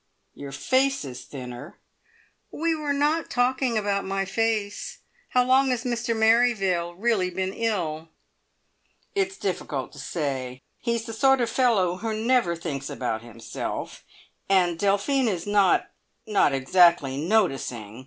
Your face is thinner " "We were not talking about my face. How long has Mr Merrivale really been ill?" "It's difficult to say. He is the sort of fellow who never thinks about himself, and Delphine is not not exactly noticing!